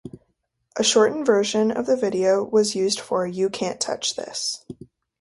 A shortened version of the video was used for U Can't Touch This.